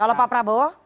kalau pak prabowo